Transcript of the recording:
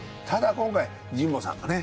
今回神保さんがね